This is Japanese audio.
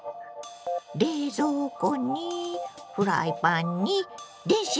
冷蔵庫にフライパンに電子レンジ。